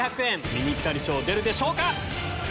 ミニピタリ賞出るでしょうか